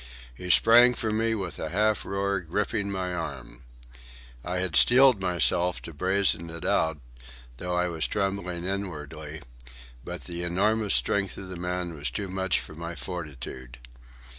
He sprang for me with a half roar, gripping my arm. I had steeled myself to brazen it out, though I was trembling inwardly; but the enormous strength of the man was too much for my fortitude.